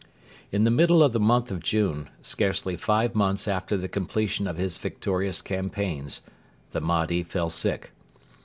In the middle of the month of June, scarcely five months after the completion of his victorious campaigns, the Mahdi fell sick.